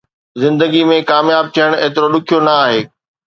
زندگي ۾ ڪامياب ٿيڻ ايترو ڏکيو نه آهي